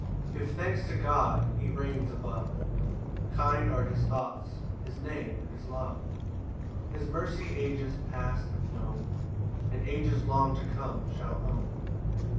1 Give thanks to God; he reigns above, Kind are his thoughts, his Name is love; His mercy ages past have known, And ages long to come shall own.